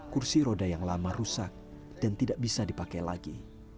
kursi roda yang lama rusak dan tidak bisa dipakai lagi